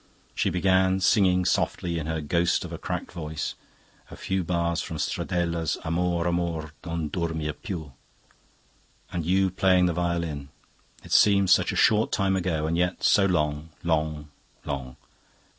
She began singing softly in her ghost of a cracked voice a few bars from Stradella's 'Amor amor, non dormir piu.' 'And you playing on the violin, it seems such a short time ago, and yet so long, long, long.